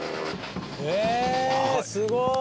ええすごい！